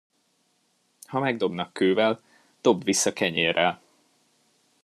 Ha megdobnak kővel, dobd vissza kenyérrel.